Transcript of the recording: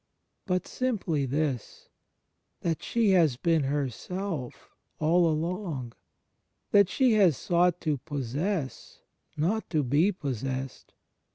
. but simply this, that she has been herself all along, that she has sought to possess, not to be possessed